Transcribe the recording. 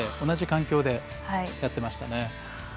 同じ環境でやっていましたね。